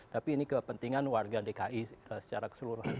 tapi ini kepentingan warga dki secara keseluruhan